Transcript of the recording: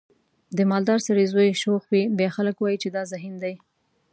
د مالدار سړي زوی شوخ وي بیا خلک وایي چې دا ذهین دی.